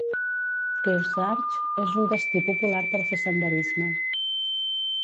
Kearsarge és un destí popular per fer senderisme.